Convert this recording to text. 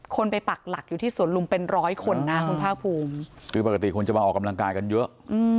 คนไปปักหลักอยู่ที่สวนลุมเป็นร้อยคนนะคุณภาคภูมิคือปกติคนจะมาออกกำลังกายกันเยอะ